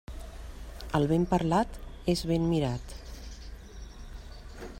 El ben parlat, és ben mirat.